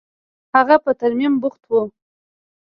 هغه په ترميم بوخت و.